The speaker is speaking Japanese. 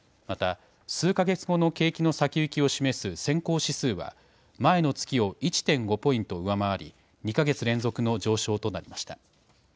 また数か月後の景気の先行きを示す先行指数は前の月を１．５ポイント上回り２か月連続の上昇となりました。